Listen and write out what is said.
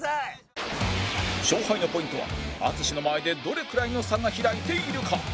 勝敗のポイントは淳の前でどれくらいの差が開いているか